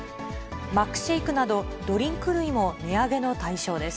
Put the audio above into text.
マックシェイクなど、ドリンク類も値上げの対象です。